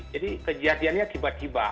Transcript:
jadi kejadiannya tiba tiba